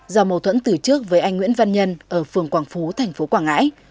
do mâu thuẫn từ trước với anh nguyễn văn nhân ở phường quảng phú thành phố quảng ngãi